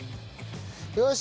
よし。